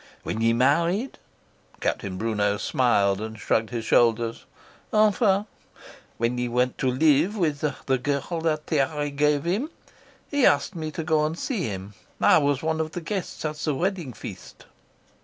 When he married" Captain Brunot smiled and shrugged his shoulders ", when he went to live with the girl that Tiare gave him, he asked me to go and see him. I was one of the guests at the wedding feast."